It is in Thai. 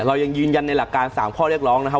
เรายังยืนยันในหลักการ๓ข้อเรียกร้องนะครับ